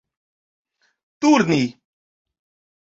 turni